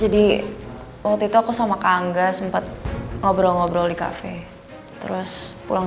jadi waktu itu aku sama kangga sempat ngobrol ngobrol di cafe terus pulang